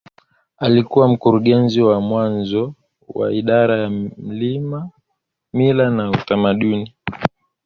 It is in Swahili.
Alikuwa mkurugenzi wa mwanzo wa Idara ya Mila na Utamaduni